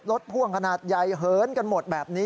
พ่วงขนาดใหญ่เหินกันหมดแบบนี้